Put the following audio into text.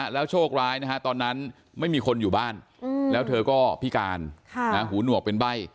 แล้วโชคร้ายนะฮะตอนนั้นไม่มีคนอยู่บ้านแล้วเธอก็พิการหูหนวกเป็นใบ้